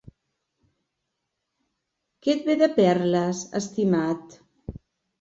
Què et ve de perles, estimat?